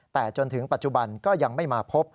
แต่จนถึงปัจจุบันก็ยังไม่มาพบ